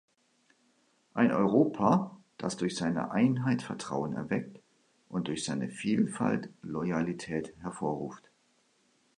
Ein Europa, das durch seine Einheit Vertrauen erweckt und durch seine Vielfalt Loyalität hervorruft.